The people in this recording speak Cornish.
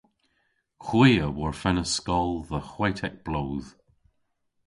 Hwi a worfennas skol dhe hwetek bloodh.